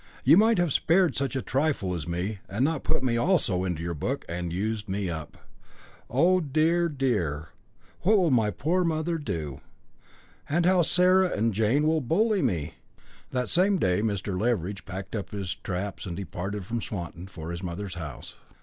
You might have spared such a trifle as me, and not put me also into your book and used me up. Oh, dear, dear! what will my poor mother do! And how Sarah and Jane will bully me." That same day Mr. Leveridge packed up his traps and departed from Swanton for his mother's house.